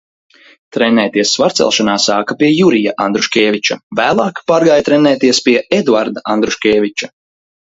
Trenēties svarcelšanā sāka pie Jurija Andruškēviča, vēlāk pārgāja trenēties pie Eduarda Andruškēviča.